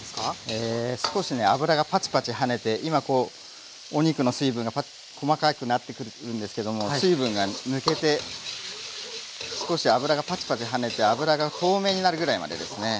え少しね脂がパチパチはねて今こうお肉の水分が細かくなってくるんですけども水分が抜けて少し脂がパチパチはねて脂が透明になるぐらいまでですね。